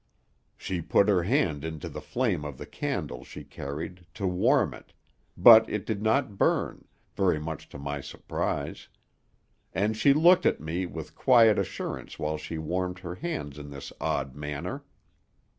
"She put her hand into the flame of the candle she carried, to warm it, but it did not burn, very much to my surprise; and she looked at me with quiet assurance while she warmed her hands in this odd manner.